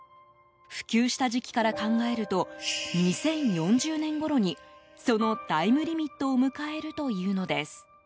普及した時期から考えると２０４０年ごろにそのタイムリミットを迎えるというのです。